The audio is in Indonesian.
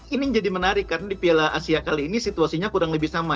ini jadi menarik karena di piala asia kali ini situasinya kurang lebih sama